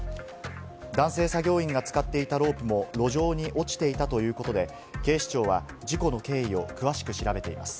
男性作業員が使っていたロープも路上に落ちていたということで、警視庁は事故の経緯を詳しく調べています。